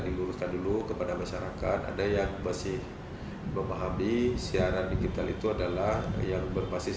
diluruskan dulu kepada masyarakat ada yang masih memahami siaran digital itu adalah yang berbasis